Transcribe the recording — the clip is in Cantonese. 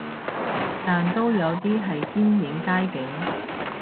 但都有啲係堅影街景